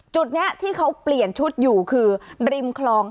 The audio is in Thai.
จุดนี้ที่เขาเปลี่ยนชุดอยู่คือริมคลอง